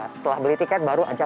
setelah beli tiket baru aja